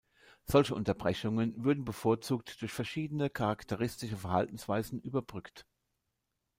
Solche Unterbrechungen würden bevorzugt durch verschiedene, charakteristische Verhaltensweisen überbrückt.